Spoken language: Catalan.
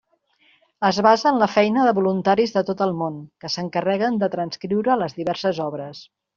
Es basa en la feina de voluntaris de tot el món, que s'encarreguen de transcriure les diverses obres.